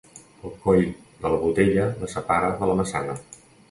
El coll de la Botella la separa de la Massana.